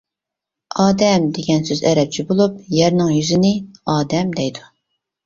ئادەم دېگەن سۆز ئەرەبچە بولۇپ، يەرنىڭ يۈزىنى ئادەم دەيدۇ.